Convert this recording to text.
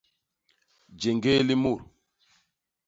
Jéñgéé li mut.